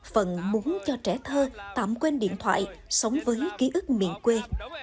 phần muốn cho trẻ thơ tạm quên điện thoại sống với ký ức miền quê